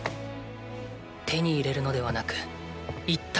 手に入れるのではなく一体となる。